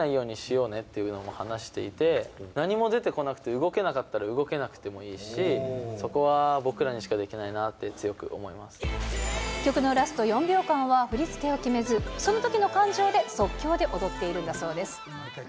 考えないようにしようねって話していて、何も出てこなくて、動けなかったら動けなくてもいいし、そこは僕らにしかできないな曲のラスト４秒間は振り付けを決めず、そのときの感情で即興で踊っているんだそうです。